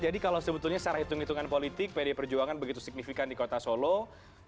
jadi kalau sebetulnya secara hitung hitungan politik pdi perjuangan itu begitu signifikan di kota suluh